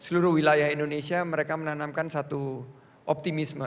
seluruh wilayah indonesia mereka menanamkan satu optimisme